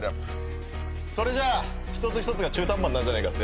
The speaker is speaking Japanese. それじゃあ一つ一つが中途半端になるじゃねえかって？